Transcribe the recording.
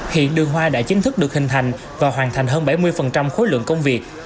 hiện đường hoa đã chính thức được hình thành và hoàn thành hơn bảy mươi khối lượng công việc